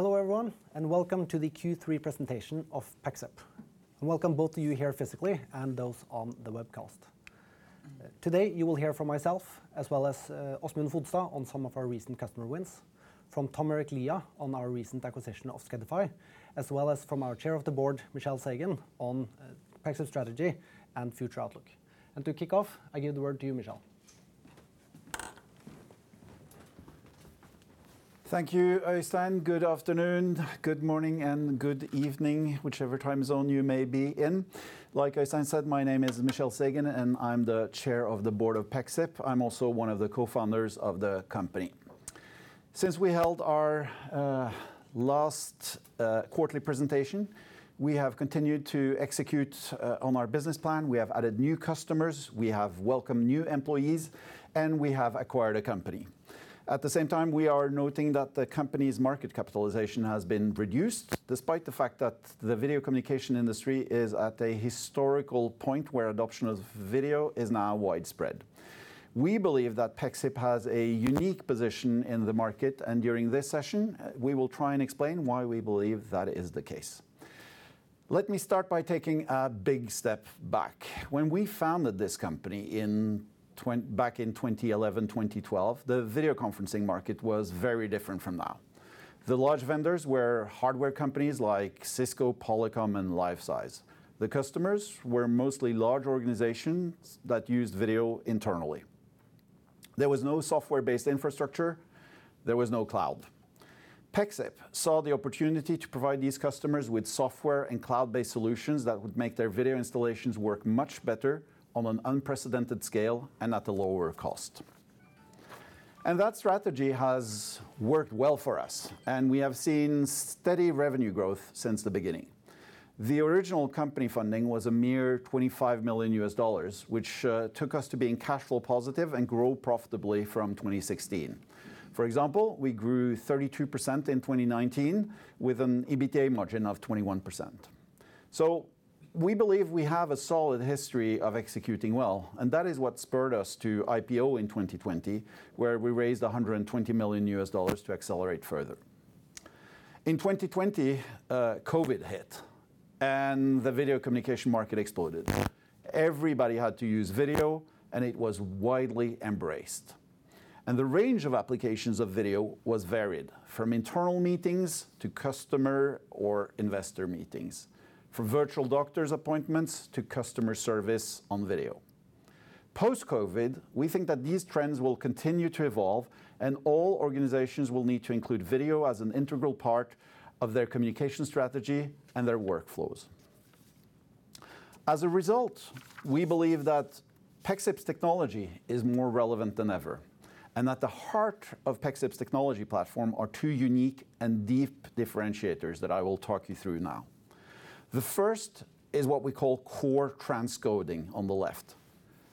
Hello, everyone, and welcome to the Q3 presentation of Pexip. Welcome both to you here physically and those on the webcast. Today, you will hear from myself as well as Åsmund Fodstad on some of our recent customer wins, from Tom-Erik Lia on our recent acquisition of Skedify, as well as from our Chair of the Board, Michel Sagen, on Pexip's strategy and future outlook. To kick off, I give the word to you, Michel. Thank you, Øystein. Good afternoon, good morning, and good evening, whichever time zone you may be in. Like Øystein said, my name is Michel Sagen, and I'm the chair of the board of Pexip. I'm also one of the cofounders of the company. Since we held our last quarterly presentation, we have continued to execute on our business plan. We have added new customers, we have welcomed new employees, and we have acquired a company. At the same time, we are noting that the company's market capitalization has been reduced, despite the fact that the video communication industry is at a historical point where adoption of video is now widespread. We believe that Pexip has a unique position in the market, and during this session, we will try and explain why we believe that is the case. Let me start by taking a big step back. When we founded this company back in 2011, 2012, the video conferencing market was very different from now. The large vendors were hardware companies like Cisco, Polycom, and Lifesize. The customers were mostly large organizations that used video internally. There was no software-based infrastructure, there was no cloud. Pexip saw the opportunity to provide these customers with software and cloud-based solutions that would make their video installations work much better on an unprecedented scale and at a lower cost. That strategy has worked well for us, and we have seen steady revenue growth since the beginning. The original company funding was a mere $25 million, which took us to being cash flow positive and grow profitably from 2016. For example, we grew 32% in 2019, with an EBITDA margin of 21%. We believe we have a solid history of executing well, and that is what spurred us to IPO in 2020, where we raised $120 million to accelerate further. In 2020, COVID hit, and the video communication market exploded. Everybody had to use video, and it was widely embraced. The range of applications of video was varied, from internal meetings to customer or investor meetings, from virtual doctor's appointments to customer service on video. Post-COVID, we think that these trends will continue to evolve, and all organizations will need to include video as an integral part of their communication strategy and their workflows. As a result, we believe that Pexip's technology is more relevant than ever and at the heart of Pexip's technology platform are two unique and deep differentiators that I will talk you through now. The first is what we call core transcoding, on the left.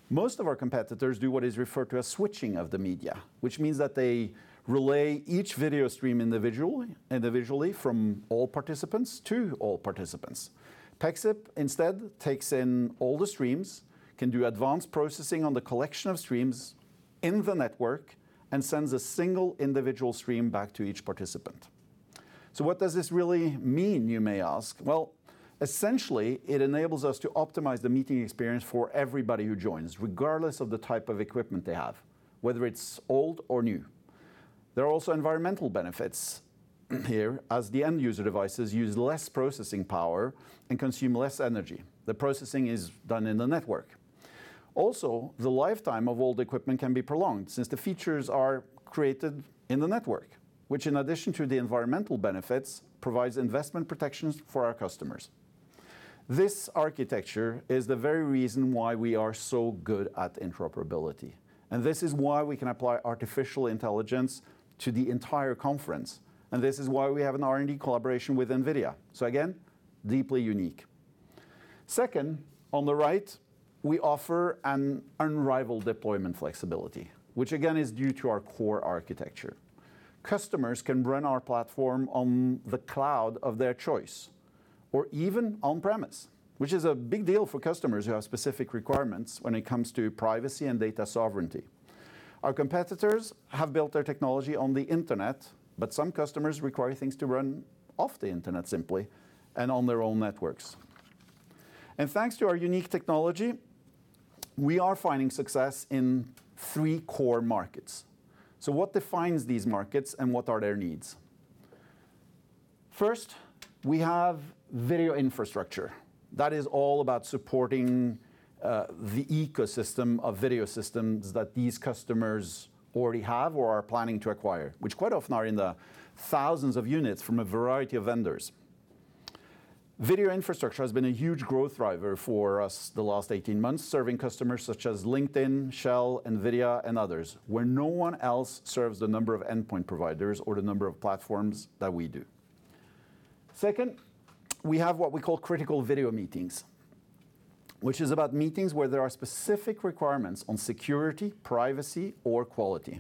Most of our competitors do what is referred to as switching of the media, which means that they relay each video stream individually from all participants to all participants. Pexip instead takes in all the streams, can do advanced processing on the collection of streams in the network, and sends a single individual stream back to each participant. What does this really mean, you may ask? Well, essentially, it enables us to optimize the meeting experience for everybody who joins, regardless of the type of equipment they have, whether it's old or new. There are also environmental benefits here, as the end user devices use less processing power and consume less energy. The processing is done in the network. Also, the lifetime of old equipment can be prolonged since the features are created in the network, which in addition to the environmental benefits, provides investment protections for our customers. This architecture is the very reason why we are so good at interoperability, and this is why we can apply artificial intelligence to the entire conference, and this is why we have an R&D collaboration with NVIDIA. Again, deeply unique. Second, on the right, we offer an unrivaled deployment flexibility, which again is due to our core architecture. Customers can run our platform on the cloud of their choice or even on premise, which is a big deal for customers who have specific requirements when it comes to privacy and data sovereignty. Our competitors have built their technology on the internet, but some customers require things to run off the internet simply and on their own networks. Thanks to our unique technology, we are finding success in three core markets. What defines these markets and what are their needs? First, we have video infrastructure that is all about supporting the ecosystem of video systems that these customers already have or are planning to acquire, which quite often are in the thousands of units from a variety of vendors. Video infrastructure has been a huge growth driver for us the last 18 months, serving customers such as LinkedIn, Shell, NVIDIA, and others, where no one else serves the number of endpoint providers or the number of platforms that we do. Second, we have what we call critical video meetings, which is about meetings where there are specific requirements on security, privacy, or quality.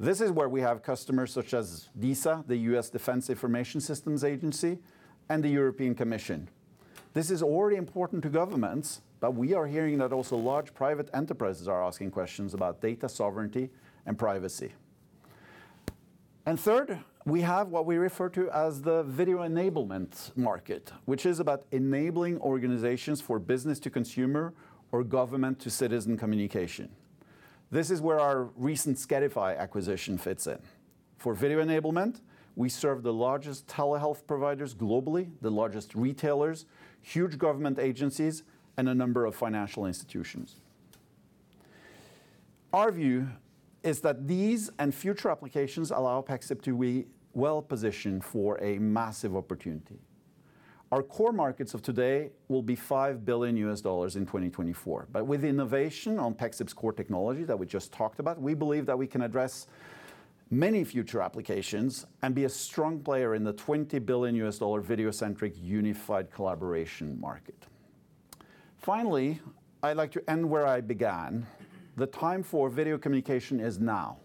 This is where we have customers such as DISA, the U.S. Defense Information Systems Agency, and the European Commission. This is already important to governments, but we are hearing that also large private enterprises are asking questions about data sovereignty and privacy. Third, we have what we refer to as the video enablement market, which is about enabling organizations for business to consumer or government to citizen communication. This is where our recent Skedify acquisition fits in. For video enablement, we serve the largest telehealth providers globally, the largest retailers, huge government agencies, and a number of financial institutions. Our view is that these and future applications allow Pexip to be well-positioned for a massive opportunity. Our core markets of today will be $5 billion in 2024, but with innovation on Pexip's core technology that we just talked about, we believe that we can address many future applications and be a strong player in the $20 billion video-centric unified collaboration market. Finally, I'd like to end where I began. The time for video communication is now.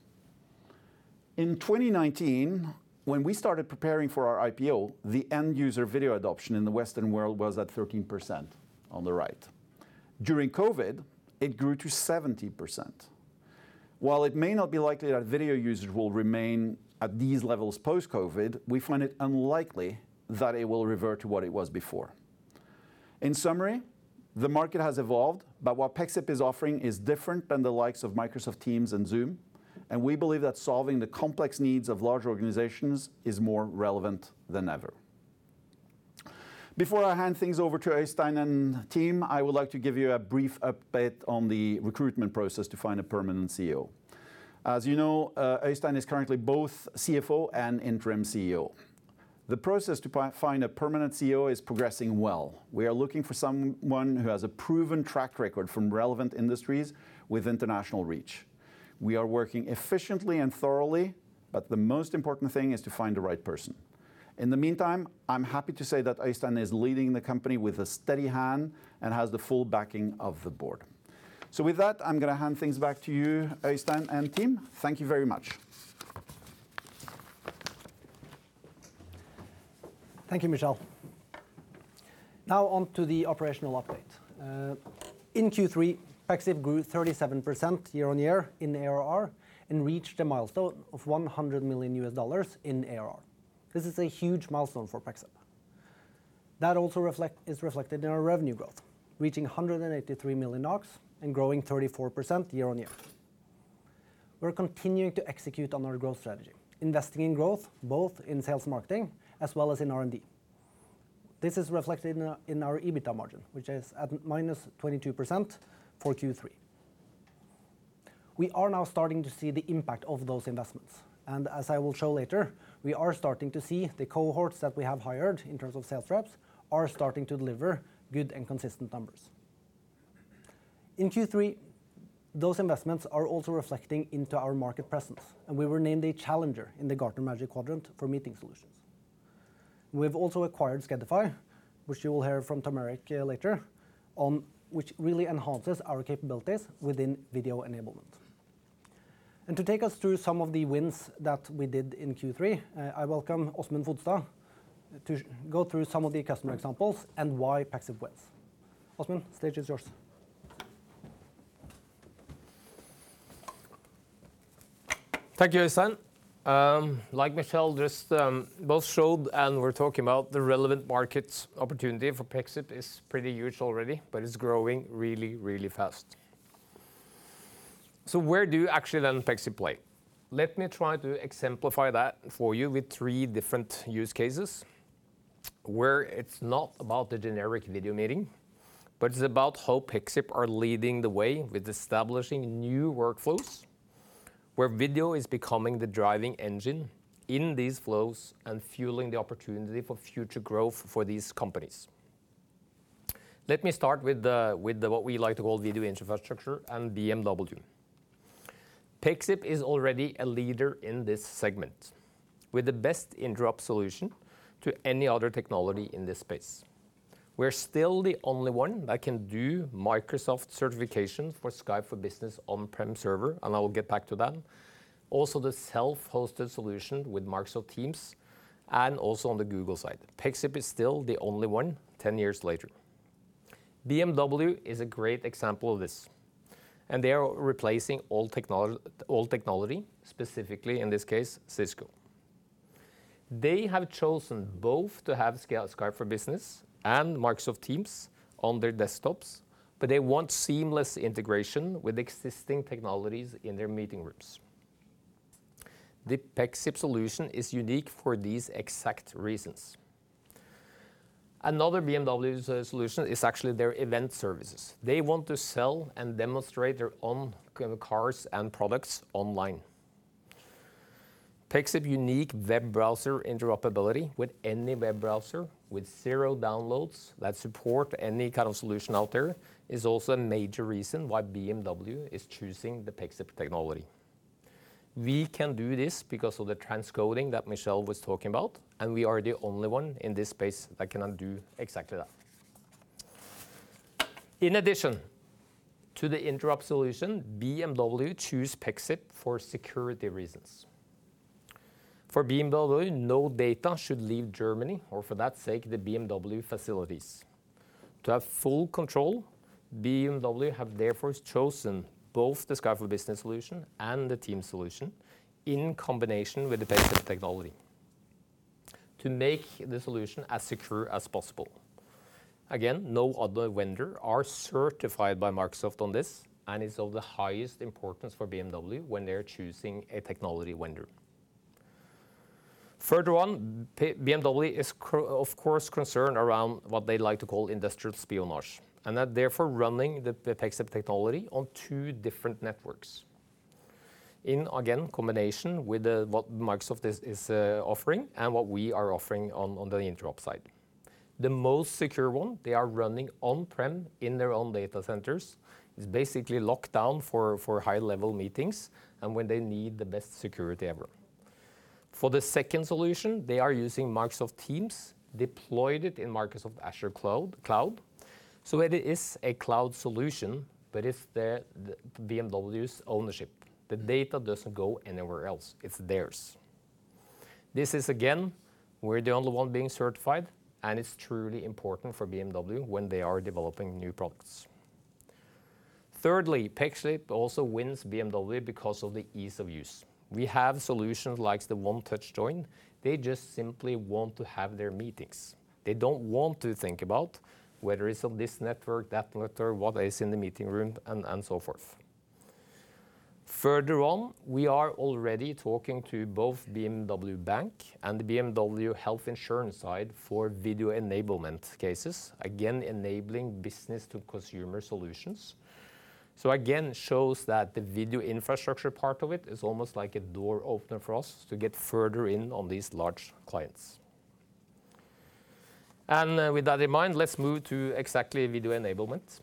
In 2019, when we started preparing for our IPO, the end user video adoption in the Western world was at 13% on the right. During COVID, it grew to 70%. While it may not be likely that video users will remain at these levels post-COVID, we find it unlikely that it will revert to what it was before. In summary, the market has evolved, but what Pexip is offering is different than the likes of Microsoft Teams and Zoom, and we believe that solving the complex needs of large organizations is more relevant than ever. Before I hand things over to Øystein and team, I would like to give you a brief update on the recruitment process to find a permanent CEO. As you know, Øystein is currently both CFO and interim CEO. The process to find a permanent CEO is progressing well. We are looking for someone who has a proven track record from relevant industries with international reach. We are working efficiently and thoroughly, but the most important thing is to find the right person. In the meantime, I'm happy to say that Øystein is leading the company with a steady hand and has the full backing of the board. With that, I'm gonna hand things back to you, Øystein and team. Thank you very much. Thank you, Michel. Now on to the operational update. In Q3, Pexip grew 37% year-on-year in ARR and reached a milestone of $100 million in ARR. This is a huge milestone for Pexip. That also is reflected in our revenue growth, reaching 183 million and growing 34% year-on-year. We're continuing to execute on our growth strategy, investing in growth, both in sales and marketing as well as in R&D. This is reflected in our EBITDA margin, which is at -22% for Q3. We are now starting to see the impact of those investments, and as I will show later, we are starting to see the cohorts that we have hired in terms of sales reps are starting to deliver good and consistent numbers. In Q3, those investments are also reflecting into our market presence, and we were named a challenger in the Gartner Magic Quadrant for Meeting Solutions. We've also acquired Skedify, which you will hear from Tom-Erik Lia later on, which really enhances our capabilities within video enablement. To take us through some of the wins that we did in Q3, I welcome Åsmund Fodstad to go through some of the customer examples and why Pexip wins. Åsmund, stage is yours. Thank you, Øystein. Like Michel just both showed and we're talking about the relevant markets opportunity for Pexip is pretty huge already, but it's growing really, really fast. Where do you actually then Pexip play? Let me try to exemplify that for you with three different use cases where it's not about the generic video meeting, but it's about how Pexip are leading the way with establishing new workflows where video is becoming the driving engine in these flows and fueling the opportunity for future growth for these companies. Let me start with what we like to call video infrastructure and BMW. Pexip is already a leader in this segment with the best interop solution to any other technology in this space. We're still the only one that can do Microsoft certification for Skype for Business on-prem server, and I will get back to that. Also, the self-hosted solution with Microsoft Teams and also on the Google side. Pexip is still the only one 10 years later. BMW is a great example of this, and they are replacing old technology, specifically in this case, Cisco. They have chosen both to have Skype for Business and Microsoft Teams on their desktops, but they want seamless integration with existing technologies in their meeting rooms. The Pexip solution is unique for these exact reasons. Another BMW's solution is actually their event services. They want to sell and demonstrate their own kind of cars and products online. Pexip unique web browser interoperability with any web browser with zero downloads that support any kind of solution out there is also a major reason why BMW is choosing the Pexip technology. We can do this because of the transcoding that Michel was talking about, and we are the only one in this space that can do exactly that. In addition to the interop solution, BMW choose Pexip for security reasons. For BMW, no data should leave Germany or for that matter, the BMW facilities. To have full control, BMW have therefore chosen both the Skype for Business solution and the Teams solution in combination with the Pexip technology to make the solution as secure as possible. Again, no other vendor are certified by Microsoft on this, and it's of the highest importance for BMW when they're choosing a technology vendor. Further on, BMW is of course concerned around what they like to call industrial espionage, and they're therefore running the Pexip technology on two different networks, again, in combination with what Microsoft is offering and what we are offering on the interop side. The most secure one they are running on prem in their own data centers is basically locked down for high-level meetings and when they need the best security ever. For the second solution, they are using Microsoft Teams deployed in Microsoft Azure cloud. So it is a cloud solution, but it's the BMW's ownership. The data doesn't go anywhere else. It's theirs. This is again, we're the only one being certified, and it's truly important for BMW when they are developing new products. Thirdly, Pexip also wins BMW because of the ease of use. We have solutions like the One-Touch Join. They just simply want to have their meetings. They don't want to think about whether it's on this network, that network, what is in the meeting room and so forth. Further on, we are already talking to both BMW Bank and the BMW health insurance side for video enablement cases. Again, enabling business to consumer solutions. Again, shows that the video infrastructure part of it is almost like a door opener for us to get further in on these large clients. With that in mind, let's move to exactly video enablement.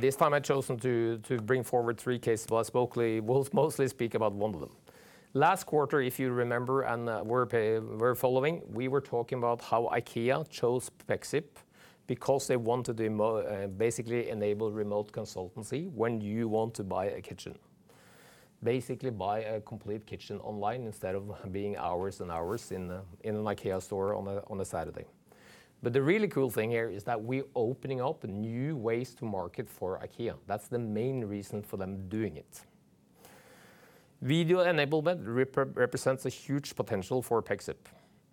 This time I've chosen to bring forward three cases, but I solely will mostly speak about one of them. Last quarter, if you remember, we were following, we were talking about how IKEA chose Pexip because they wanted basically enable remote consultancy when you want to buy a kitchen, basically buy a complete kitchen online instead of being hours and hours in an IKEA store on a Saturday. The really cool thing here is that we're opening up new ways to market for IKEA. That's the main reason for them doing it. Video enablement represents a huge potential for Pexip,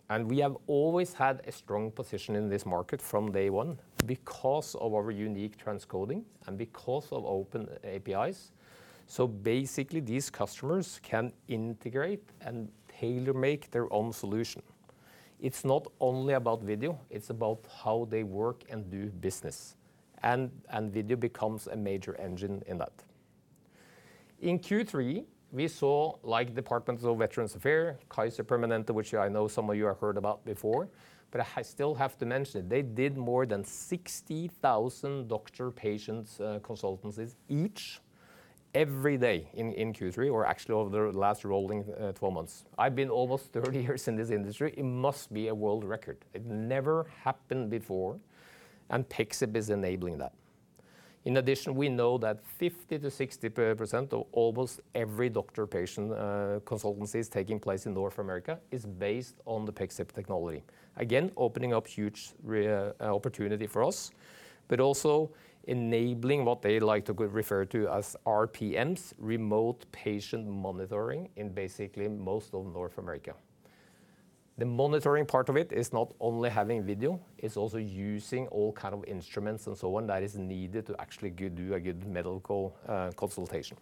and we have always had a strong position in this market from day one because of our unique transcoding and because of open APIs. Basically, these customers can integrate and tailor-make their own solution. It's not only about video, it's about how they work and do business and video becomes a major engine in that. In Q3, we saw like Department of Veterans Affairs, Kaiser Permanente, which I know some of you have heard about before, but I still have to mention it, they did more than 60,000 doctor-patient consultancies each every day in Q3 or actually over the last rolling 12 months. I've been almost 30 years in this industry. It must be a world record. It never happened before, and Pexip is enabling that. In addition, we know that 50%-60% of almost every doctor-patient consultancy is taking place in North America is based on the Pexip technology. Again, opening up huge opportunity for us, but also enabling what they like to refer to as RPMs, remote patient monitoring in basically most of North America. The monitoring part of it is not only having video, it's also using all kind of instruments and so on that is needed to actually go do a good medical consultation.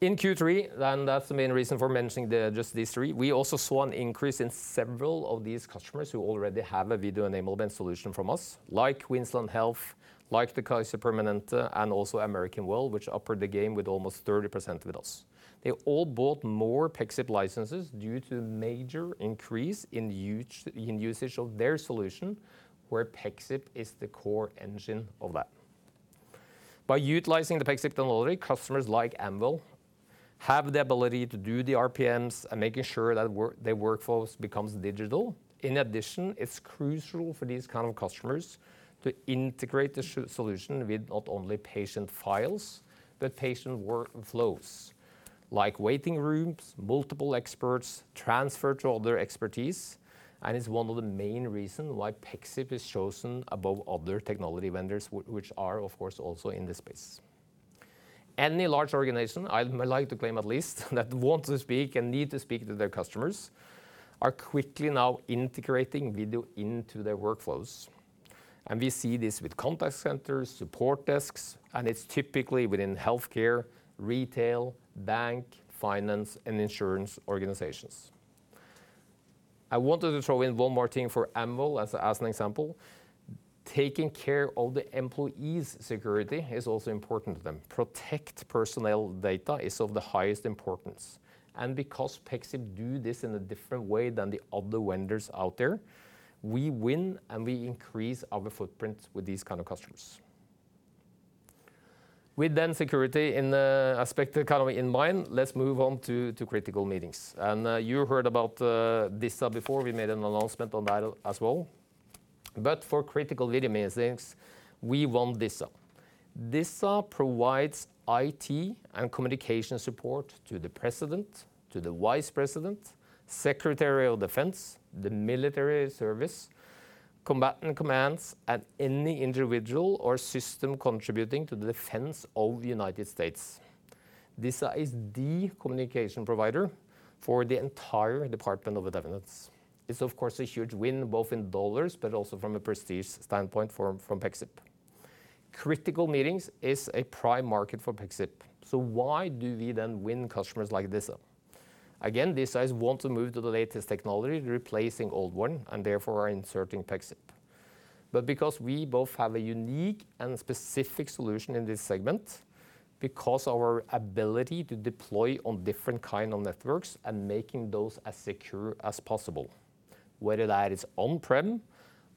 In Q3, that's the main reason for mentioning just these three, we also saw an increase in several of these customers who already have a video enablement solution from us, like Queensland Health, like the Kaiser Permanente and also American Well, which upped the game with almost 30% with us. They all bought more Pexip licenses due to major increase in use, in usage of their solution, where Pexip is the core engine of that. By utilizing the Pexip technology, customers like Amwell have the ability to do the RPMs and making sure that their workforce becomes digital. In addition, it's crucial for these kind of customers to integrate the solution with not only patient files, but patient workflows like waiting rooms, multiple experts transfer to other expertise and is one of the main reason why Pexip is chosen above other technology vendors which are of course also in this space. Any large organization, I'd like to claim at least that want to speak and need to speak to their customers are quickly now integrating video into their workflows. We see this with contact centers, support desks, and it's typically within healthcare, retail, bank, finance and insurance organizations. I wanted to throw in one more thing for Amwell as an example. Taking care of the employees' security is also important to them. Protecting personal data is of the highest importance and because Pexip do this in a different way than the other vendors out there, we win and we increase our footprint with these kind of customers. With the security aspect kind of in mind, let's move on to critical meetings. You heard about DISA before we made an announcement on that as well. For critical video meetings, we want DISA. DISA provides IT and communication support to the President, to the Vice President, Secretary of Defense, the military service, combatant commands, and any individual or system contributing to the defense of the United States. DISA is the communication provider for the entire Department of Defense. It's of course a huge win, both in dollars but also from a prestige standpoint for Pexip. Critical meetings is a prime market for Pexip. Why do we then win customers like DISA? Again, DISA want to move to the latest technology, replacing old one, and therefore are inserting Pexip. Because we both have a unique and specific solution in this segment, because our ability to deploy on different kind of networks and making those as secure as possible, whether that is on-prem,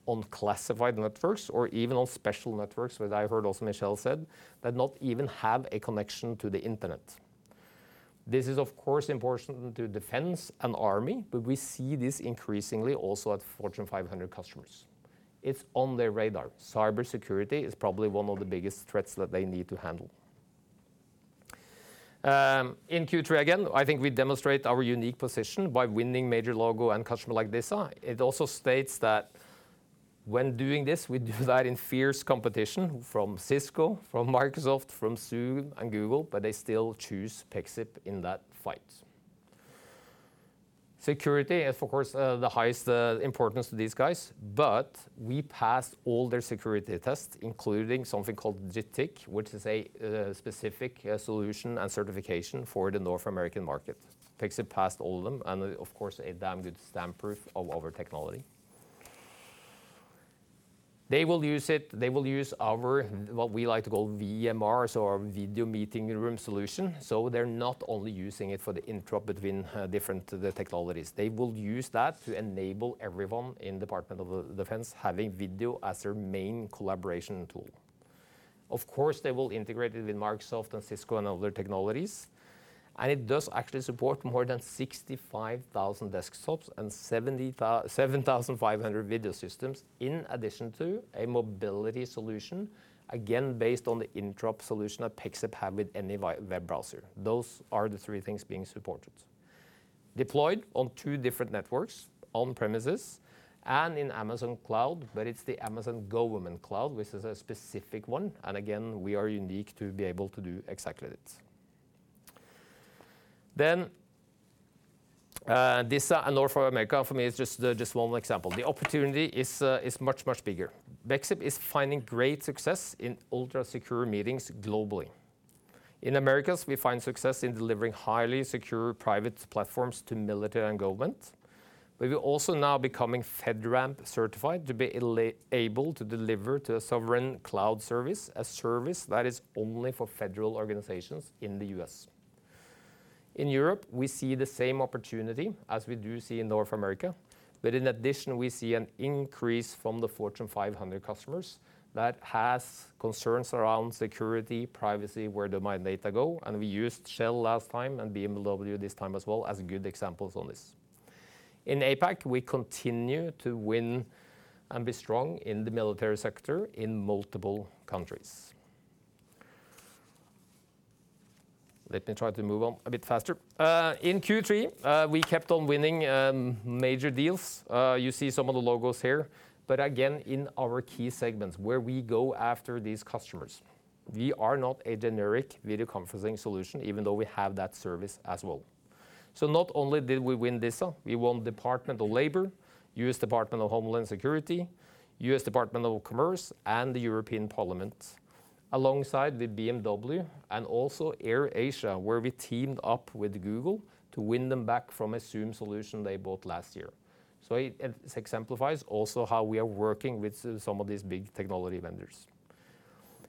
on classified networks or even on special networks, what I heard also Michel said, that not even have a connection to the internet. This is of course important to defense and army, but we see this increasingly also at Fortune 500 customers. It's on their radar. Cybersecurity is probably one of the biggest threats that they need to handle. In Q3, again, I think we demonstrate our unique position by winning major logo and customer like DISA. It also states that when doing this, we do that in fierce competition from Cisco, from Microsoft, from Zoom and Google, but they still choose Pexip in that fight. Security is of course the highest importance to these guys, but we passed all their security tests, including something called JITC, which is a specific solution and certification for the North American market. Pexip passed all of them, and of course a damn good stamp proof of our technology. They will use our, what we like to call VMR, so our video meeting room solution. So they're not only using it for the interop between different technologies. They will use that to enable everyone in Department of Defense having video as their main collaboration tool. Of course, they will integrate it with Microsoft and Cisco and other technologies, and it does actually support more than 65,000 desktops and 77,500 video systems in addition to a mobility solution, again, based on the interop solution that Pexip have with any web browser. Those are the three things being supported. Deployed on two different networks on premises and in Amazon Cloud, but it's the Amazon government cloud, which is a specific one. We are unique to be able to do exactly that. DISA and North America for me is just one example. The opportunity is much bigger. Pexip is finding great success in ultra-secure meetings globally. In Americas, we find success in delivering highly secure private platforms to military and government. We will also now becoming FedRAMP certified to be eligible to deliver to a sovereign cloud service, a service that is only for federal organizations in the U.S. In Europe, we see the same opportunity as we do see in North America, but in addition, we see an increase from the Fortune 500 customers that has concerns around security, privacy, where do my data go, and we used Shell last time and BMW this time as well as good examples on this. In APAC, we continue to win and be strong in the military sector in multiple countries. Let me try to move on a bit faster. In Q3, we kept on winning major deals. You see some of the logos here, but again, in our key segments where we go after these customers. We are not a generic video conferencing solution, even though we have that service as well. Not only did we win DISA, we won Department of Labor, U.S. Department of Homeland Security, U.S. Department of Commerce, and the European Parliament, alongside with BMW and also AirAsia, where we teamed up with Google to win them back from a Zoom solution they bought last year. It exemplifies also how we are working with some of these big technology vendors.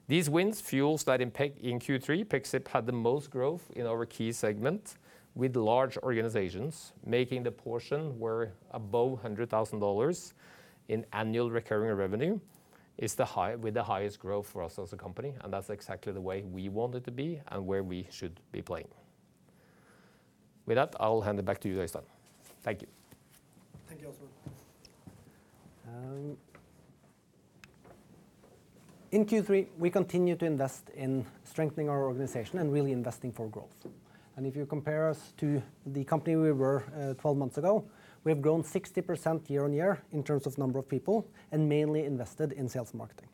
These wins fuels that in Q3, Pexip had the most growth in our key segment with large organizations making the portion were above $100,000 in annual recurring revenue is with the highest growth for us as a company, and that's exactly the way we want it to be and where we should be playing. With that, I will hand it back to you, Øystein. Thank you. Thank you, Åsmund. In Q3, we continue to invest in strengthening our organization and really investing for growth. If you compare us to the company we were 12 months ago, we have grown 60% year-on-year in terms of number of people and mainly invested in sales and marketing.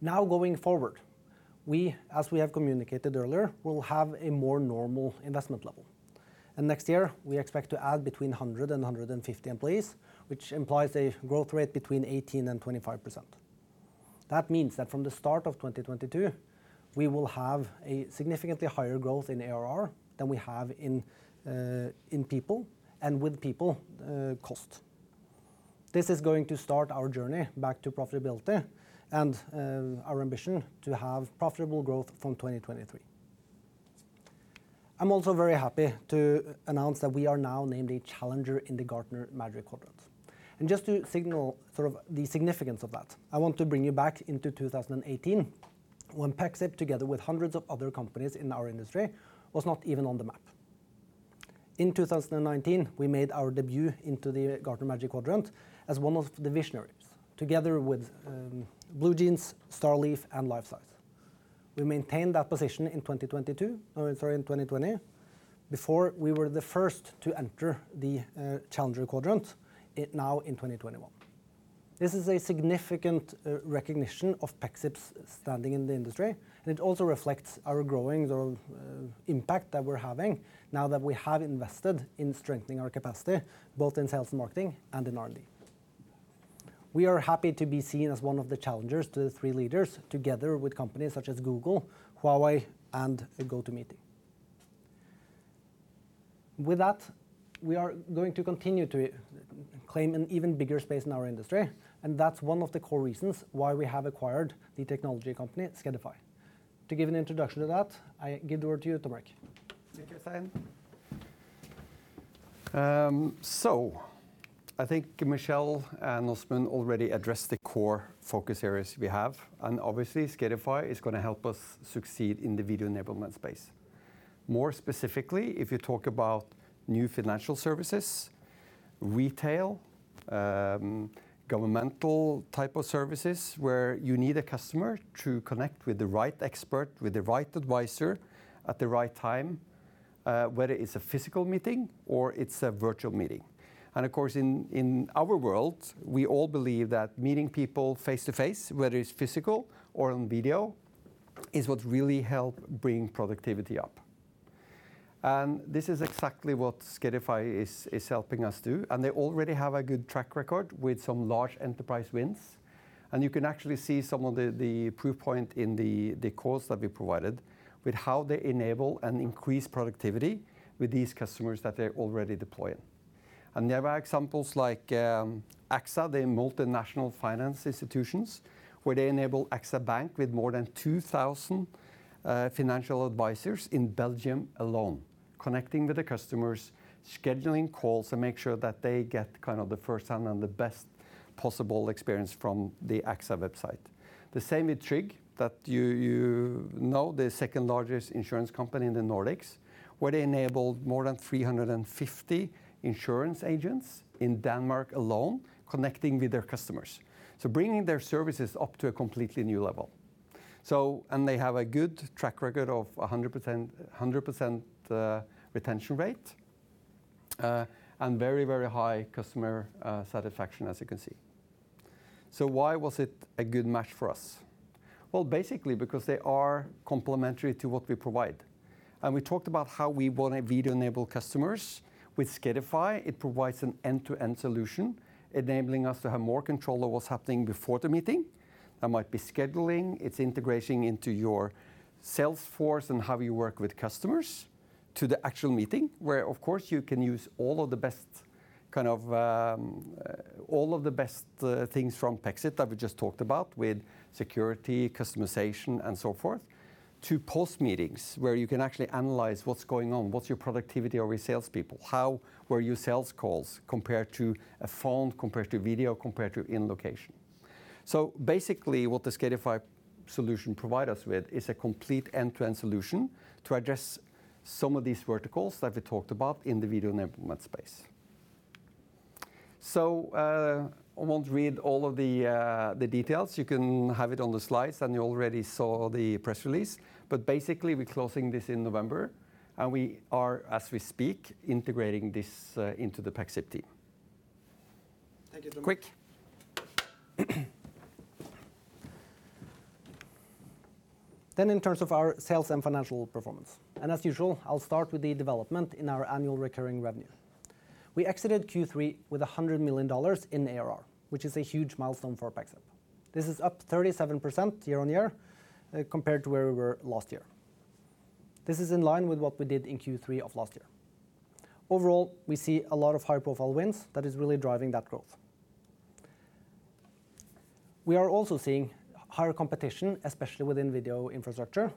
Now going forward, we, as we have communicated earlier, will have a more normal investment level. Next year we expect to add between 100 and 150 employees, which implies a growth rate between 18%-25%. That means that from the start of 2022, we will have a significantly higher growth in ARR than we have in people and with people cost. This is going to start our journey back to profitability and our ambition to have profitable growth from 2023. I'm also very happy to announce that we are now named a challenger in the Gartner Magic Quadrant. Just to signal sort of the significance of that, I want to bring you back to 2018 when Pexip, together with hundreds of other companies in our industry, was not even on the map. In 2019, we made our debut into the Gartner Magic Quadrant as one of the visionaries together with BlueJeans, StarLeaf, and Lifesize. We maintained that position in 2022, or sorry, in 2020, before we were the first to enter the challenger quadrant in 2021. This is a significant recognition of Pexip's standing in the industry, and it also reflects our growing impact that we're having now that we have invested in strengthening our capacity, both in sales and marketing and in R&D. We are happy to be seen as one of the challengers to the three leaders together with companies such as Google, Huawei, and GoToMeeting. With that, we are going to continue to claim an even bigger space in our industry, and that's one of the core reasons why we have acquired the technology company Skedify. To give an introduction to that, I give the word to you, Tom-Erik. Thank you, Øystein. I think Michel and Åsmund already addressed the core focus areas we have, and obviously Skedify is gonna help us succeed in the video enablement space. More specifically, if you talk about new financial services, retail, governmental type of services where you need a customer to connect with the right expert, with the right advisor at the right time, whether it's a physical meeting or it's a virtual meeting. Of course in our world, we all believe that meeting people face-to-face, whether it's physical or on video, is what really help bring productivity up. This is exactly what Skedify is helping us do, and they already have a good track record with some large enterprise wins, and you can actually see some of the proof point in the calls that we provided with how they enable and increase productivity with these customers that they're already deploying. There are examples like AXA, the multinational financial institution, where they enable AXA Bank with more than 2,000 financial advisors in Belgium alone, connecting with the customers, scheduling calls to make sure that they get kind of the firsthand and the best possible experience from the AXA website. The same with Tryg that you know, the second-largest insurance company in the Nordics, where they enabled more than 350 insurance agents in Denmark alone connecting with their customers. Bringing their services up to a completely new level. They have a good track record of 100% retention rate and very high customer satisfaction as you can see. Why was it a good match for us? Well, basically because they are complementary to what we provide. We talked about how we wanna video enable customers. With Skedify it provides an end-to-end solution enabling us to have more control of what's happening before the meeting. That might be scheduling, its integration into your Salesforce and how you work with customers to the actual meeting, where of course you can use all of the best kind of. All of the best things from Pexip that we just talked about with security, customization and so forth, to post-meetings where you can actually analyze what's going on, what's your productivity over salespeople. How were your sales calls compared to a phone, compared to video, compared to in location. Basically what the Skedify solution provide us with is a complete end-to-end solution to address some of these verticals that we talked about in the video enablement space. I won't read all of the details. You can have it on the slides and you already saw the press release. Basically we're closing this in November and we are, as we speak, integrating this into the Pexip team. Thank you, Tom-Erik. Quick. In terms of our sales and financial performance, and as usual I'll start with the development in our annual recurring revenue. We exited Q3 with $100 million in ARR, which is a huge milestone for Pexip. This is up 37% year-on-year compared to where we were last year. This is in line with what we did in Q3 of last year. Overall we see a lot of high-profile wins that is really driving that growth. We are also seeing higher competition, especially within video infrastructure,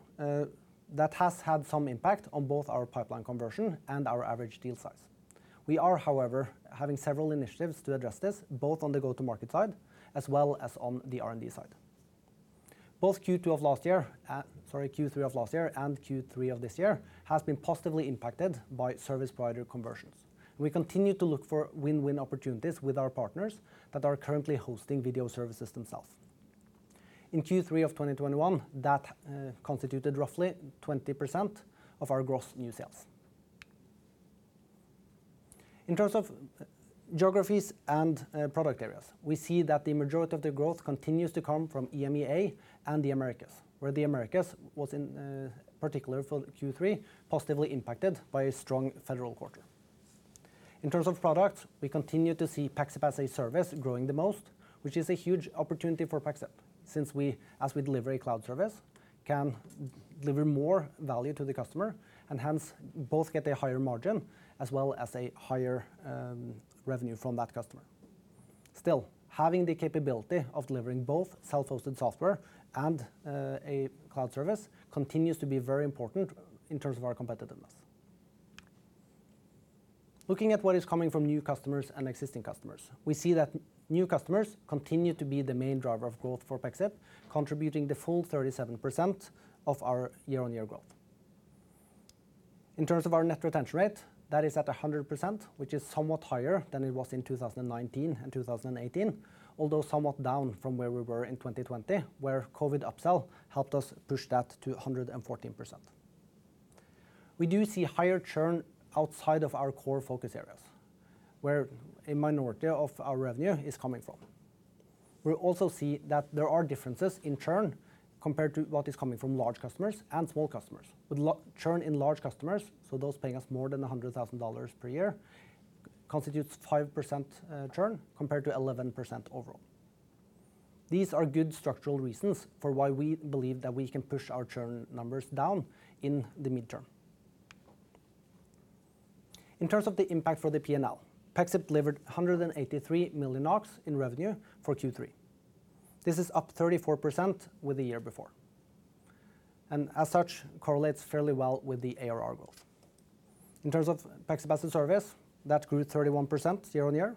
that has had some impact on both our pipeline conversion and our average deal size. We are, however, having several initiatives to address this, both on the go-to-market side as well as on the R&D side. Both Q3 of last year and Q3 of this year has been positively impacted by service provider conversions. We continue to look for win-win opportunities with our partners that are currently hosting video services themselves. In Q3 of 2021 that constituted roughly 20% of our gross new sales. In terms of geographies and product areas, we see that the majority of the growth continues to come from EMEA and the Americas, where the Americas was in particular for Q3 positively impacted by a strong federal quarter. In terms of products, we continue to see Pexip as a service growing the most, which is a huge opportunity for Pexip since we, as we deliver a cloud service, can deliver more value to the customer and hence both get a higher margin as well as a higher revenue from that customer. Still, having the capability of delivering both self-hosted software and a cloud service continues to be very important in terms of our competitiveness. Looking at what is coming from new customers and existing customers, we see that new customers continue to be the main driver of growth for Pexip, contributing the full 37% of our year-on-year growth. In terms of our net retention rate, that is at 100%, which is somewhat higher than it was in 2019 and 2018, although somewhat down from where we were in 2020, where COVID upsell helped us push that to 114%. We do see higher churn outside of our core focus areas, where a minority of our revenue is coming from. We also see that there are differences in churn compared to what is coming from large customers and small customers, with low churn in large customers, so those paying us more than $100,000 per year, constitutes 5% churn compared to 11% overall. These are good structural reasons for why we believe that we can push our churn numbers down in the midterm. In terms of the impact for the P&L, Pexip delivered 183 million NOK in revenue for Q3. This is up 34% from the year before, and as such correlates fairly well with the ARR growth. In terms of Pexip as a service, that grew 31% year-on-year,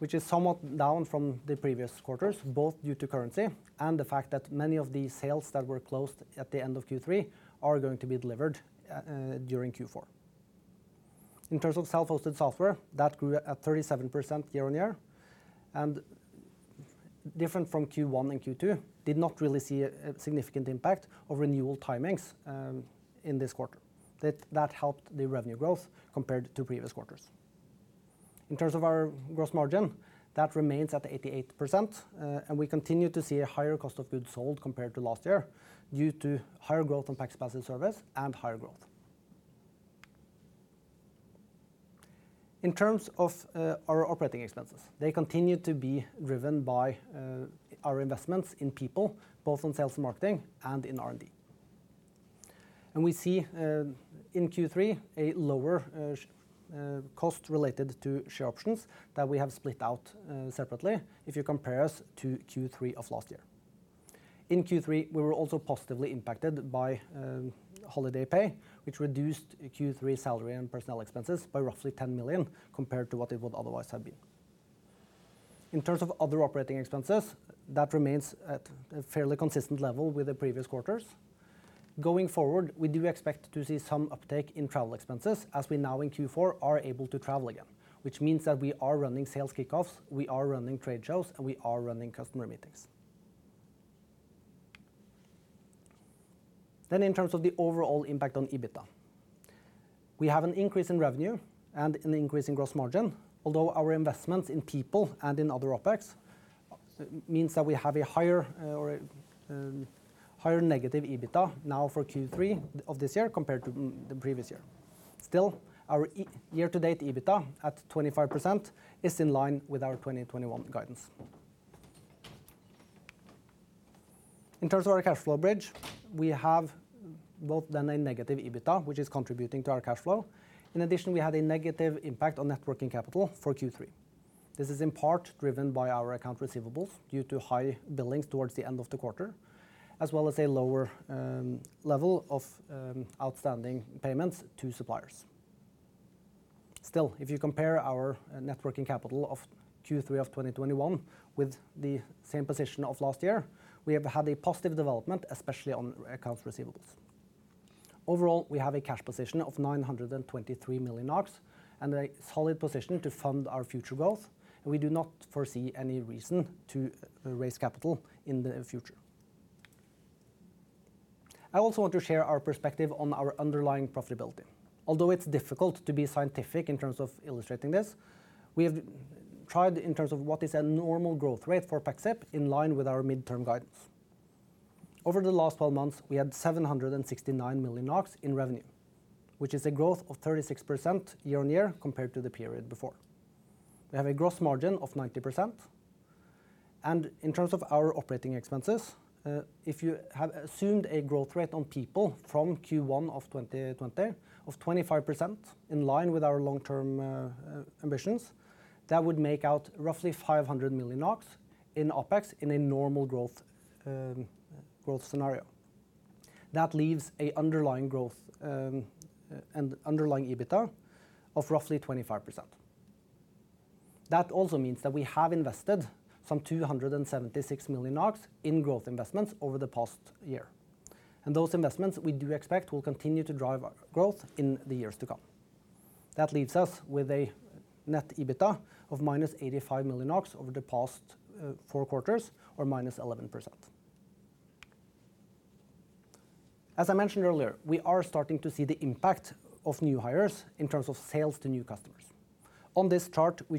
which is somewhat down from the previous quarters, both due to currency and the fact that many of the sales that were closed at the end of Q3 are going to be delivered during Q4. In terms of self-hosted software, that grew at 37% year-on-year and different from Q1 and Q2, did not really see a significant impact of renewal timings in this quarter. That helped the revenue growth compared to previous quarters. In terms of our gross margin, that remains at 88%, and we continue to see a higher cost of goods sold compared to last year due to higher growth on Pexip as a service and higher growth. In terms of our operating expenses, they continue to be driven by our investments in people, both on sales and marketing and in R&D. We see in Q3 a lower cost related to share options that we have split out separately if you compare us to Q3 of last year. In Q3, we were also positively impacted by holiday pay, which reduced Q3 salary and personnel expenses by roughly 10 million compared to what it would otherwise have been. In terms of other operating expenses, that remains at a fairly consistent level with the previous quarters. Going forward, we do expect to see some uptake in travel expenses as we now in Q4 are able to travel again, which means that we are running sales kickoffs, we are running trade shows, and we are running customer meetings. In terms of the overall impact on EBITDA, we have an increase in revenue and an increase in gross margin. Although our investments in people and in other OpEx means that we have a higher negative EBITDA now for Q3 of this year compared to the previous year. Still, our year-to-date EBITDA at 25% is in line with our 2021 guidance. In terms of our cash flow bridge, we have both done a negative EBITDA, which is contributing to our cash flow. In addition, we had a negative impact on net working capital for Q3. This is in part driven by our account receivables due to high billings towards the end of the quarter, as well as a lower level of outstanding payments to suppliers. Still, if you compare our net working capital of Q3 2021 with the same position of last year, we have had a positive development, especially on accounts receivables. Overall, we have a cash position of 923 million and a solid position to fund our future growth, and we do not foresee any reason to raise capital in the future. I also want to share our perspective on our underlying profitability. Although it's difficult to be scientific in terms of illustrating this, we have tried in terms of what is a normal growth rate for Pexip in line with our midterm guidance. Over the last 12 months, we had 769 million NOK in revenue, which is a growth of 36% year-on-year compared to the period before. We have a gross margin of 90%. In terms of our operating expenses, if you have assumed a growth rate on people from Q1 of 2020 of 25% in line with our long-term ambitions, that would make out roughly 500 million in OpEx in a normal growth scenario. That leaves an underlying growth and underlying EBITDA of roughly 25%. That also means that we have invested some 276 million in growth investments over the past year. Those investments we do expect will continue to drive our growth in the years to come. That leaves us with a net EBITDA of -85 million over the past four quarters or -11%. As I mentioned earlier, we are starting to see the impact of new hires in terms of sales to new customers. On this chart, we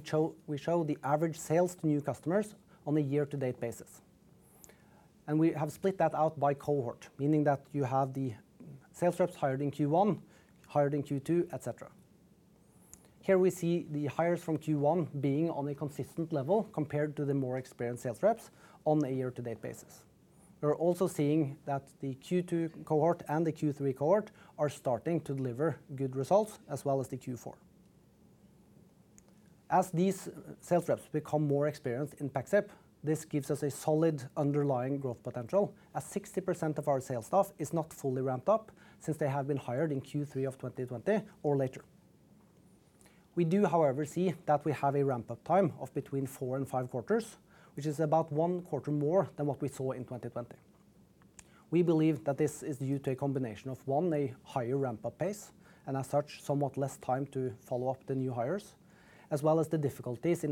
show the average sales to new customers on a year-to-date basis. We have split that out by cohort, meaning that you have the sales reps hired in Q1, hired in Q2, et cetera. Here we see the hires from Q1 being on a consistent level compared to the more experienced sales reps on a year-to-date basis. We're also seeing that the Q2 cohort and the Q3 cohort are starting to deliver good results, as well as the Q4. As these sales reps become more experienced in Pexip, this gives us a solid underlying growth potential, as 60% of our sales staff is not fully ramped up since they have been hired in Q3 of 2020 or later. We do, however, see that we have a ramp-up time of between four and five quarters, which is about one quarter more than what we saw in 2020. We believe that this is due to a combination of, one, a higher ramp-up pace, and as such, somewhat less time to follow up the new hires, as well as the difficulties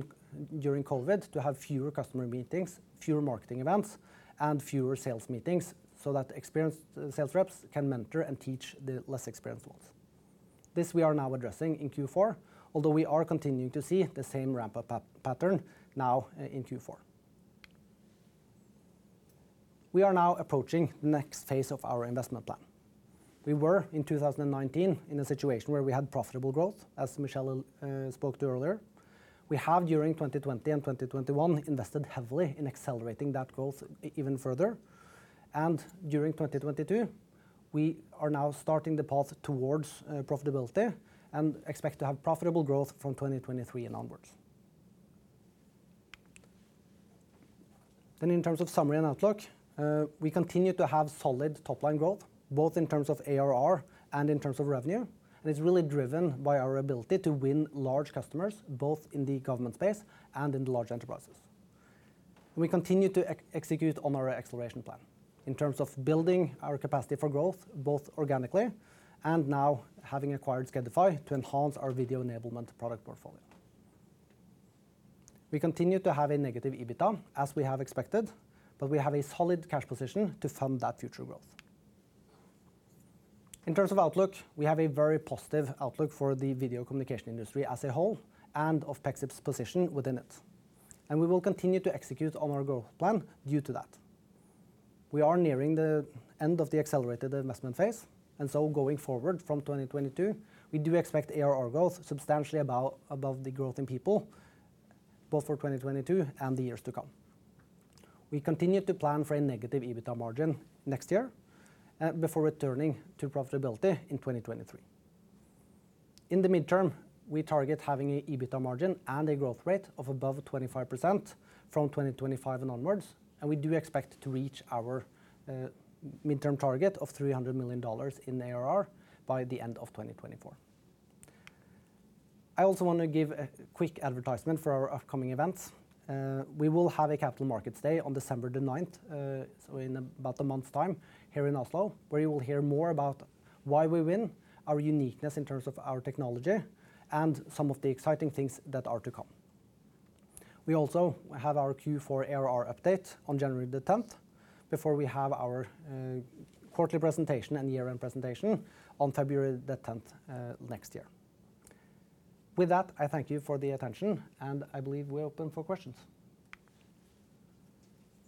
during COVID, to have fewer customer meetings, fewer marketing events, and fewer sales meetings so that experienced sales reps can mentor and teach the less experienced ones. This we are now addressing in Q4, although we are continuing to see the same ramp-up pattern now in Q4. We are now approaching the next phase of our investment plan. We were, in 2019, in a situation where we had profitable growth, as Michel spoke to earlier. We have, during 2020 and 2021, invested heavily in accelerating that growth even further. During 2022, we are now starting the path towards profitability and expect to have profitable growth from 2023 and onwards. In terms of summary and outlook, we continue to have solid top-line growth, both in terms of ARR and in terms of revenue, and it's really driven by our ability to win large customers, both in the government space and in the large enterprises. We continue to execute on our acceleration plan in terms of building our capacity for growth, both organically and now having acquired Skedify to enhance our video enablement product portfolio. We continue to have a negative EBITDA, as we have expected, but we have a solid cash position to fund that future growth. In terms of outlook, we have a very positive outlook for the video communication industry as a whole and of Pexip's position within it, and we will continue to execute on our growth plan due to that. We are nearing the end of the accelerated investment phase, and so going forward from 2022, we do expect ARR growth substantially above the growth in people, both for 2022 and the years to come. We continue to plan for a negative EBITDA margin next year before returning to profitability in 2023. In the midterm, we target having an EBITDA margin and a growth rate of above 25% from 2025 and onwards, and we do expect to reach our midterm target of $300 million in ARR by the end of 2024. I also wanna give a quick advertisement for our upcoming events. We will have a Capital Markets Day on December 9, so in about a month's time, here in Oslo, where you will hear more about why we win, our uniqueness in terms of our technology, and some of the exciting things that are to come. We also have our Q4 ARR update on January 10, before we have our quarterly presentation and year-end presentation on February 10 next year. With that, I thank you for the attention, and I believe we're open for questions.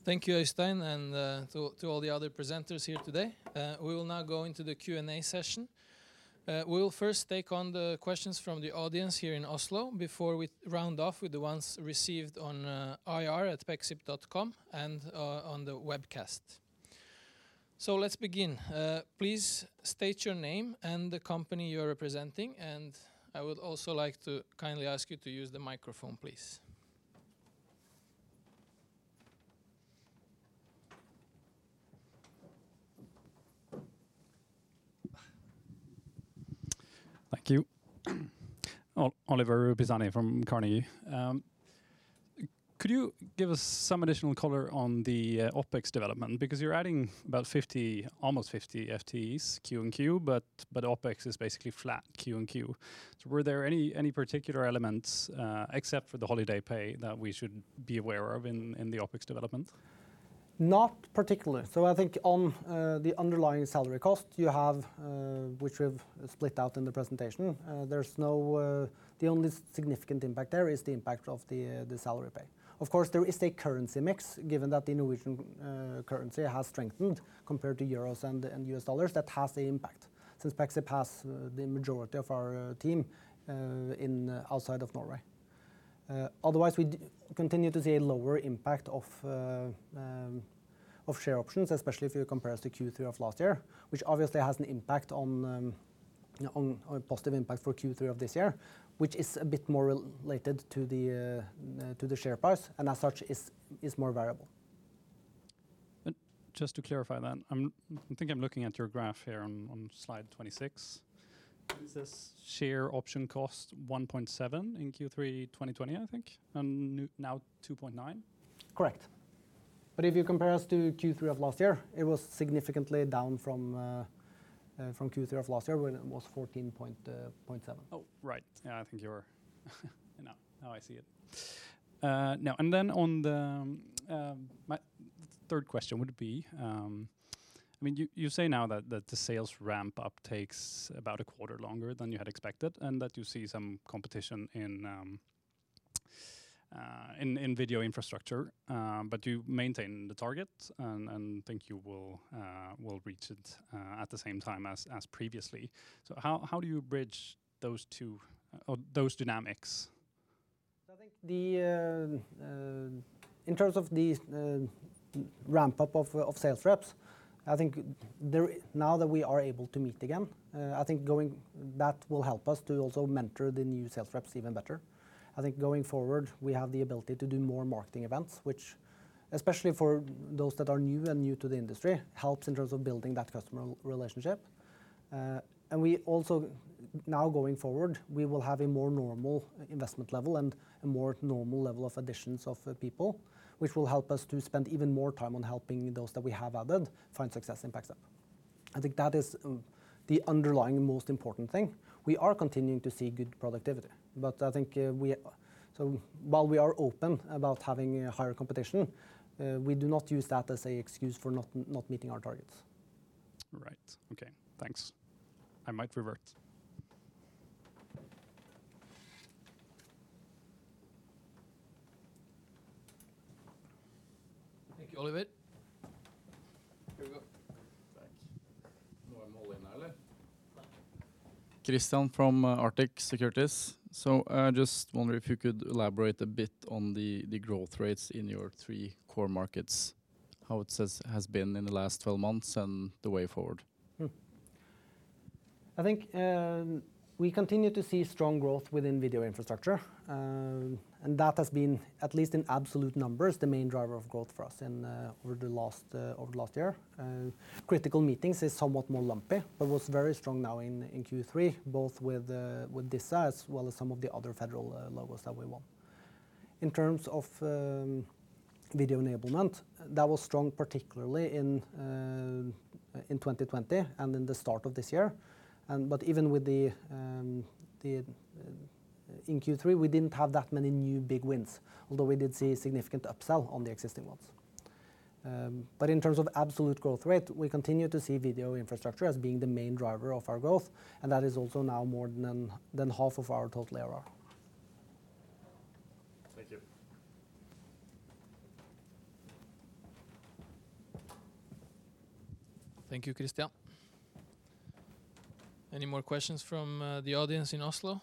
Thank you, Øystein, and to all the other presenters here today. We will now go into the Q&A session. We will first take on the questions from the audience here in Oslo before we round off with the ones received on ir@pexip.com and on the webcast. Let's begin. Please state your name and the company you're representing, and I would also like to kindly ask you to use the microphone, please. Thank you. Oliver Pisani from Carnegie. Could you give us some additional color on the OpEx development? Because you're adding about 50, almost 50 FTEs Q-on-Q, but OpEx is basically flat Q-on -Q. Were there any particular elements, except for the holiday pay, that we should be aware of in the OpEx development? Not particularly. I think on the underlying salary cost you have, which we've split out in the presentation, there's no... The only significant impact there is the impact of the salary pay. Of course, there is a currency mix, given that the Norwegian currency has strengthened compared to euros and U.S. dollars. That has an impact since Pexip has the majority of our team outside of Norway. Otherwise, we continue to see a lower impact of share options, especially if you compare us to Q3 of last year, which obviously has an impact on a positive impact for Q3 of this year, which is a bit more related to the share price, and as such, is more variable. Just to clarify that, I think I'm looking at your graph here on slide 26. Is this share option cost 1.7 million in Q3 2020, I think, and now 2.9 million? Correct. If you compare us to Q3 of last year, it was significantly down from Q3 of last year when it was 14.7 million. Oh, right. Yeah, now I see it. Now and then on my third question would be, I mean, you say now that the sales ramp-up takes about a quarter longer than you had expected and that you see some competition in video infrastructure. But you maintain the target and think you will reach it at the same time as previously. How do you bridge those two or those dynamics? I think in terms of the ramp up of sales reps, I think now that we are able to meet again, I think going forward that will help us to also mentor the new sales reps even better. I think going forward, we have the ability to do more marketing events, which especially for those that are new to the industry, helps in terms of building that customer relationship. We also now going forward will have a more normal investment level and a more normal level of additions of people, which will help us to spend even more time on helping those that we have added find success in Pexip. I think that is the underlying most important thing. We are continuing to see good productivity, but I think so while we are open about having higher competition, we do not use that as an excuse for not meeting our targets. Right. Okay. Thanks. I might revert. Thank you, Oliver. Here we go. Thanks. Now I'm all in there. Kristian from Arctic Securities. Just wondering if you could elaborate a bit on the growth rates in your three core markets, how it has been in the last 12 months and the way forward. I think we continue to see strong growth within video infrastructure. That has been, at least in absolute numbers, the main driver of growth for us in over the last year. Critical meetings is somewhat more lumpy, but was very strong in Q3, both with DISA as well as some of the other federal logos that we won. In terms of video enablement, that was strong, particularly in 2020 and in the start of this year. Even in Q3, we didn't have that many new big wins, although we did see significant upsell on the existing ones. In terms of absolute growth rate, we continue to see video infrastructure as being the main driver of our growth, and that is also now more than half of our total ARR. Thank you. Thank you, Kristian. Any more questions from the audience in Oslo?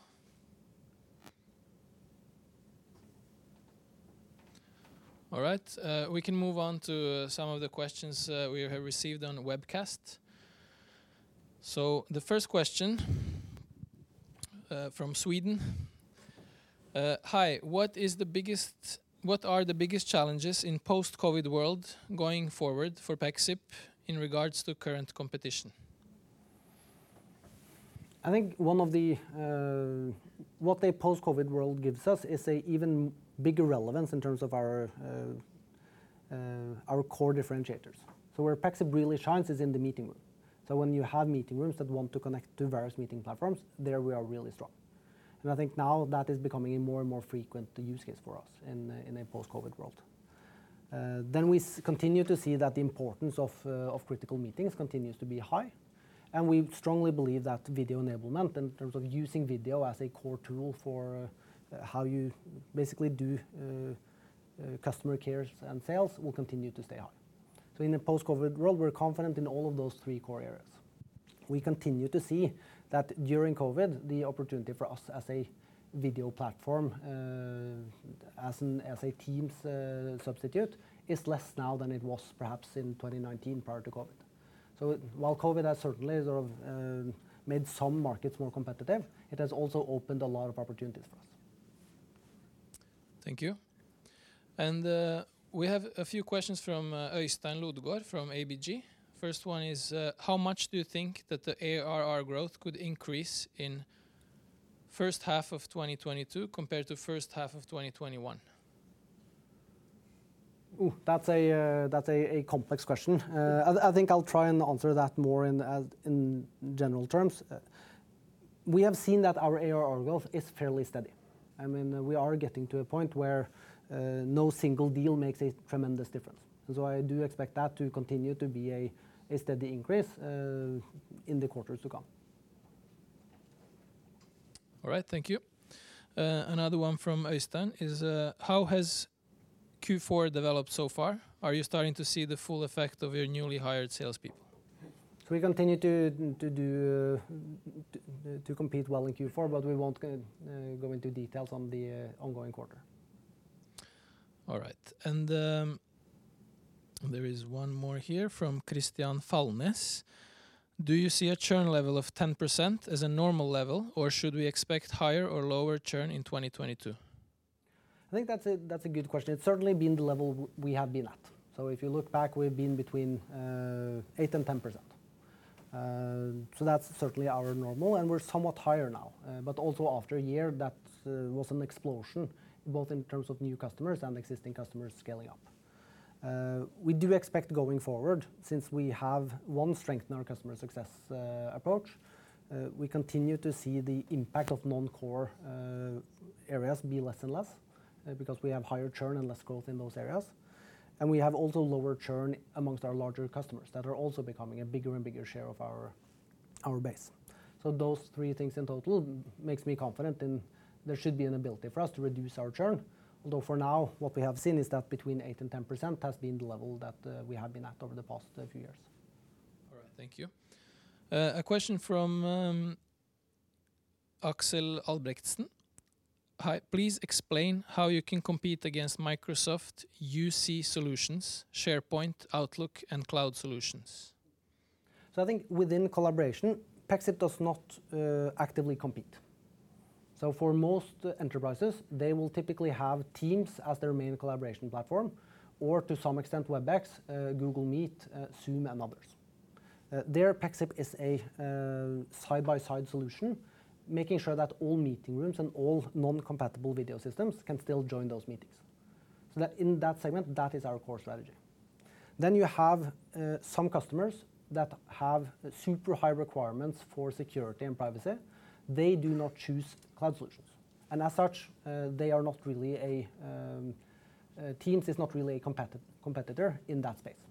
All right. We can move on to some of the questions we have received on webcast. The first question from Sweden. Hi, what are the biggest challenges in post-COVID world going forward for Pexip in regards to current competition? I think one of the, what the post-COVID world gives us is a even bigger relevance in terms of our core differentiators. Where Pexip really shines is in the meeting room. When you have meeting rooms that want to connect to various meeting platforms, there we are really strong. I think now that is becoming a more and more frequent use case for us in a post-COVID world. We continue to see that the importance of critical meetings continues to be high, and we strongly believe that video enablement in terms of using video as a core tool for how you basically do customer care and sales will continue to stay high. In a post-COVID world, we're confident in all of those three core areas. We continue to see that during COVID, the opportunity for us as a video platform as a Teams substitute is less now than it was perhaps in 2019 prior to COVID. While COVID has certainly sort of made some markets more competitive, it has also opened a lot of opportunities for us. Thank you. We have a few questions from Øystein Lodgaard from ABG. First one is, how much do you think that the ARR growth could increase in first half of 2022 compared to first half of 2021? That's a complex question. I think I'll try and answer that more in general terms. We have seen that our ARR growth is fairly steady. I mean, we are getting to a point where no single deal makes a tremendous difference. I do expect that to continue to be a steady increase in the quarters to come. All right. Thank you. Another one from Øystein is, how has Q4 developed so far? Are you starting to see the full effect of your newly hired salespeople? We continue to compete well in Q4, but we won't go into details on the ongoing quarter. All right. There is one more here from Kristian Falnes. Do you see a churn level of 10% as a normal level, or should we expect higher or lower churn in 2022? I think that's a good question. It's certainly been the level we have been at. If you look back, we've been between 8% and 10%. That's certainly our normal, and we're somewhat higher now. Also after a year that was an explosion, both in terms of new customers and existing customers scaling up. We do expect going forward, since we have one strength in our customer success approach, we continue to see the impact of non-core areas be less and less, because we have higher churn and less growth in those areas. We have also lower churn among our larger customers that are also becoming a bigger and bigger share of our base. Those three things in total makes me confident in there should be an ability for us to reduce our churn. Although for now, what we have seen is that between 8% and 10% has been the level that we have been at over the past few years. Thank you. A question from Aksel Engebakken. Hi. Please explain how you can compete against Microsoft UC solutions, SharePoint, Outlook, and cloud solutions. I think within collaboration, Pexip does not actively compete. For most enterprises, they will typically have Teams as their main collaboration platform or to some extent Webex, Google Meet, Zoom, and others. There Pexip is a side-by-side solution, making sure that all meeting rooms and all non-compatible video systems can still join those meetings. That in that segment is our core strategy. You have some customers that have super high requirements for security and privacy. They do not choose cloud solutions, and as such, Teams is not really a competitor in that space.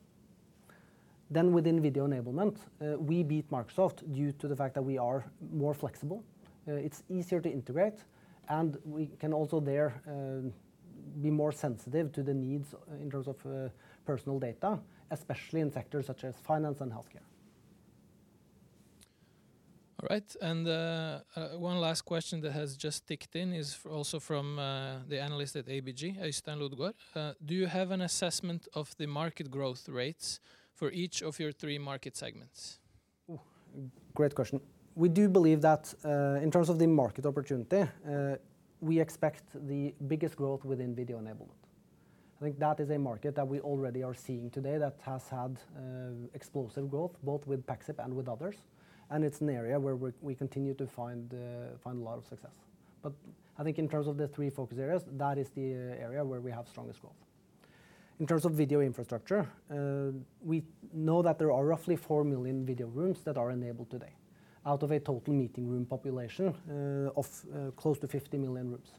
Within video enablement, we beat Microsoft due to the fact that we are more flexible. It's easier to integrate, and we can also be more sensitive to the needs in terms of personal data, especially in sectors such as finance and healthcare. All right. One last question that has just ticked in is also from the analyst at ABG, Øystein Lodgaard. Do you have an assessment of the market growth rates for each of your three market segments? Ooh, great question. We do believe that in terms of the market opportunity, we expect the biggest growth within video enablement. I think that is a market that we already are seeing today that has had explosive growth, both with Pexip and with others, and it's an area where we continue to find a lot of success. But I think in terms of the three focus areas, that is the area where we have strongest growth. In terms of video infrastructure, we know that there are roughly 4 million video rooms that are enabled today out of a total meeting room population of close to 50 million rooms.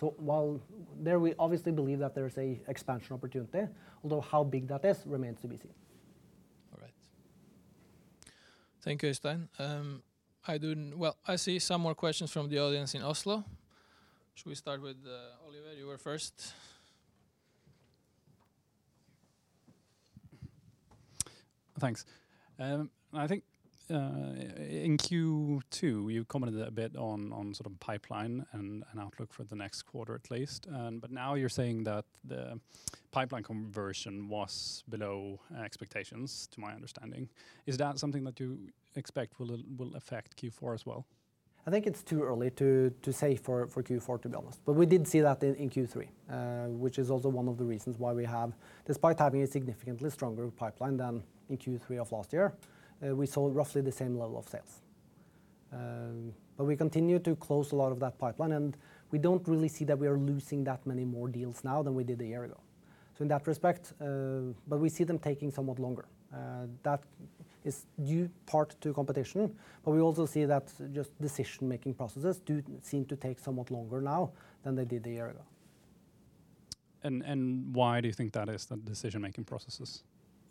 While there we obviously believe that there is an expansion opportunity, although how big that is remains to be seen. All right. Thank you, Øystein. Well, I see some more questions from the audience in Oslo. Should we start with Oliver? You were first. Thanks. I think in Q2, you commented a bit on sort of pipeline and outlook for the next quarter at least. Now you're saying that the pipeline conversion was below expectations, to my understanding. Is that something that you expect will affect Q4 as well? I think it's too early to say for Q4, to be honest. We did see that in Q3, which is also one of the reasons why we have, despite having a significantly stronger pipeline than in Q3 of last year, we saw roughly the same level of sales. We continue to close a lot of that pipeline, and we don't really see that we are losing that many more deals now than we did a year ago. In that respect, we see them taking somewhat longer. That is due in part to competition, but we also see that just decision-making processes do seem to take somewhat longer now than they did a year ago. Why do you think that is, the decision-making processes?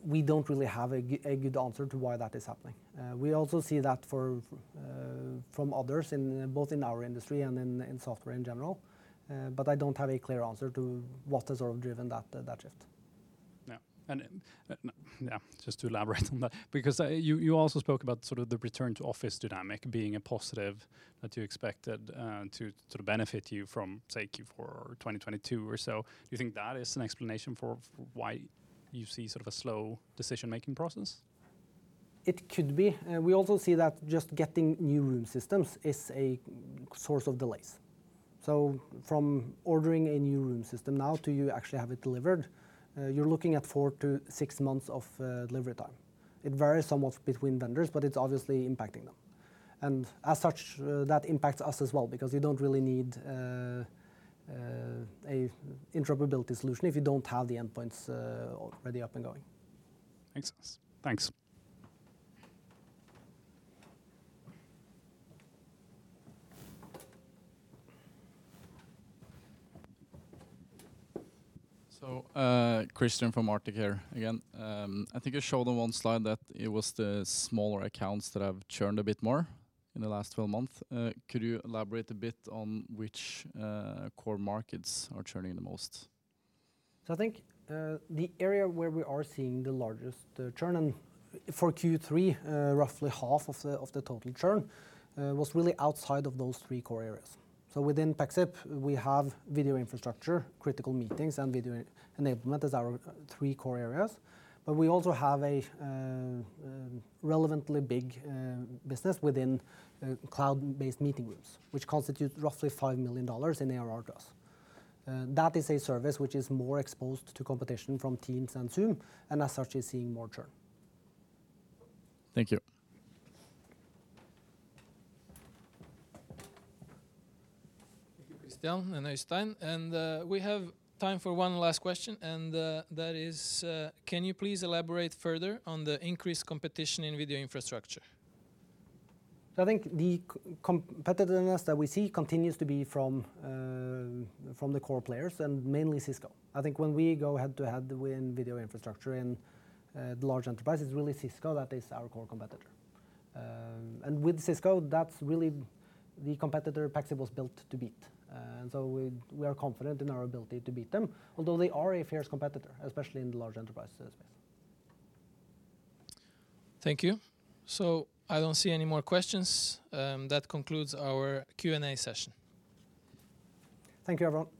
We don't really have a good answer to why that is happening. We also see that from others in both our industry and in software in general. I don't have a clear answer to what has sort of driven that shift. Yeah, just to elaborate on that because you also spoke about sort of the return to office dynamic being a positive that you expected to sort of benefit you from, say, Q4 or 2022 or so. Do you think that is an explanation for why you see sort of a slow decision-making process? It could be. We also see that just getting new room systems is a source of delays. From ordering a new room system now to actually have it delivered, you're looking at four to six months of delivery time. It varies somewhat between vendors, but it's obviously impacting them. As such, that impacts us as well because you don't really need an interoperability solution if you don't have the endpoints already up and going. Makes sense. Thanks. Kristian from Arctic here again. I think you showed on one slide that it was the smaller accounts that have churned a bit more in the last 12 months. Could you elaborate a bit on which core markets are churning the most? I think the area where we are seeing the largest churn, and for Q3, roughly half of the total churn, was really outside of those three core areas. Within Pexip, we have video infrastructure, critical meetings, and video e-enablement as our three core areas. But we also have a relevantly big business within cloud-based meeting rooms, which constitute roughly $5 million in ARR gross. That is a service which is more exposed to competition from Teams and Zoom, and as such, is seeing more churn. Thank you. Thank you, Kristian and Øystein. We have time for one last question, and that is, can you please elaborate further on the increased competition in video infrastructure? I think the competitiveness that we see continues to be from the core players and mainly Cisco. I think when we go head-to-head with video infrastructure in large enterprises, really Cisco, that is our core competitor. With Cisco, that's really the competitor Pexip was built to beat. We are confident in our ability to beat them, although they are a fierce competitor, especially in the large enterprise space. Thank you. I don't see any more questions. That concludes our Q&A session. Thank you, everyone.